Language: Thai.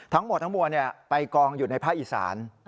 ทั้งหมดทั้งมวลไปกองอยู่ในภาคอีสาน